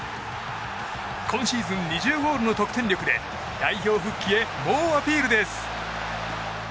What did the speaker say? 今シーズン２０ゴールの得点力で代表復帰へ猛アピールです。